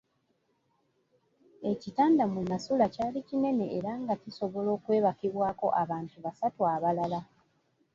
Ekitanda mwe nasula kyali kinene era nga kisobola okwebakibwako abantu basatu abalala.